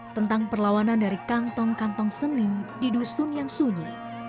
tentang perlawanan dari kantong kantong seni di dusun yang sunyi